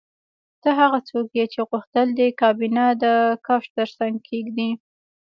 ته هغه څوک یې چې غوښتل دې کابینه د کوچ ترڅنګ کیږدې